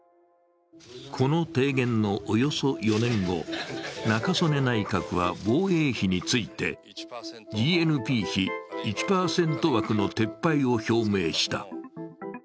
この提言のおよそ４年後、中曽根内閣は防衛費についてＧＮＰ比１％枠の撤廃を表明した。